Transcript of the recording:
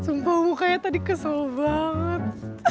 sumpah mukanya tadi kesel banget